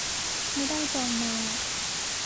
ไม่ได้จองมา